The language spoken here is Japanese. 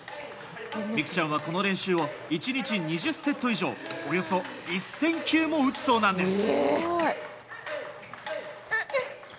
美空ちゃんはこの練習を１日２０セット以上およそ１０００球も打つそうです。